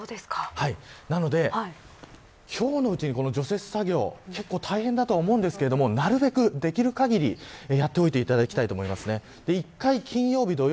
なので今日のうちに除雪作業大変だと思いますがなるべく、できる限りやっておいていただきたいと思います。